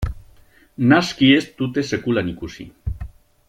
Naski ez dute sekulan ikusi.